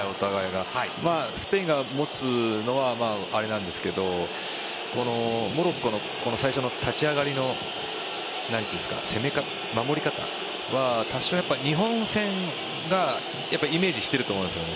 スペインが持つのはあれなんですけどモロッコの最初の立ち上がりの守り方は多少、日本戦をイメージしてると思うんです。